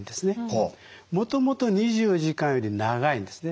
もともと２４時間より長いんですね。